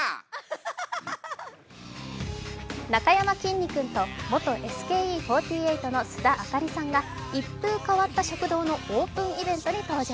なかやまきんに君と元ＳＫＥ４８の須田亜香里さんが一風変わった食堂のオープンイベントに登場。